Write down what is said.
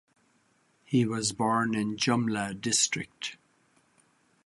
He was born in Jumla district.